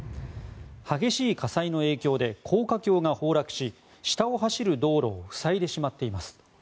激しい火災の影響で高架橋が崩落し下を走る道路を塞いでしまっています。